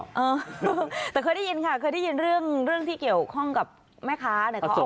เออแต่เคยได้ยินค่ะเคยได้ยินเรื่องที่เกี่ยวข้องกับแม่ค้าเนี่ย